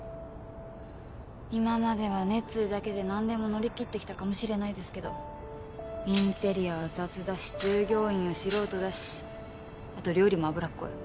今までは熱意だけでなんでも乗りきってきたかもしれないですけどインテリアは雑だし従業員は素人だしあと料理も脂っこい。